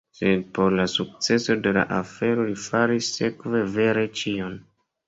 Sed por la sukceso de la afero li faris sekve vere ĉion.